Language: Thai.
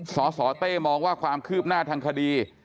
สสเต้มองว่าความคืบหน้าทางคดี